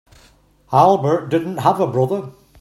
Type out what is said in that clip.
Albert didn't have a brother.